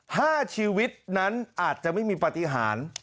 ห้าชีวิตนั้นอาจจะไม่มีปฏิหาร